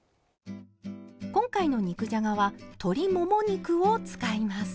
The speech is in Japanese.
今回の肉じゃがは鶏もも肉を使います。